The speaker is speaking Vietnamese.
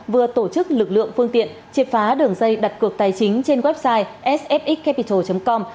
vừa tổ chức lực lượng phương tiện chiệt phá đường dây đặt cược tài chính trên website sfxcapital com